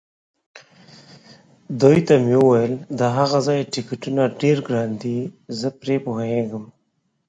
دوی ته مې وویل: د هغه ځای ټکټونه ډېر ګران دي، زه پرې پوهېږم.